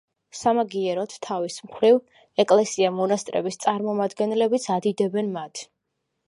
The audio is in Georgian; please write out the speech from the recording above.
სამაგიეროდ, თავის მხრივ, ეკლესია-მონასტრების წარმომადგენლებიც ადიდებენ მათ.